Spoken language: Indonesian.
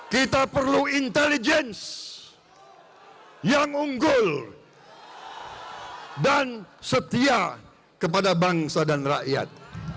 kita perlu intelligence yang unggul dan setia kepada bangsa dan rakyat